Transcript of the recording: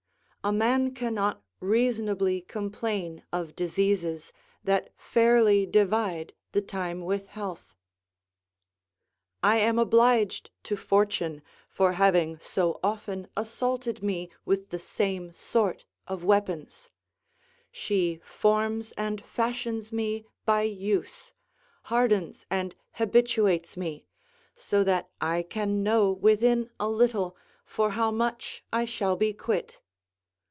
A man cannot reasonably complain of diseases that fairly divide the time with health." I am obliged to Fortune for having so often assaulted me with the same sort of weapons: she forms and fashions me by use, hardens and habituates me, so that I can know within a little for how much I shall be quit.